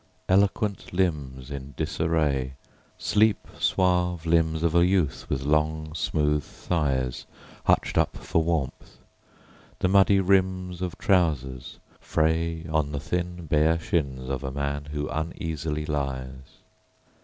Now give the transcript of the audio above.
Eloquent limbsIn disarraySleep suave limbs of a youth with long, smooth thighsHutched up for warmth; the muddy rimsOf trousers frayOn the thin bare shins of a man who uneasily lies.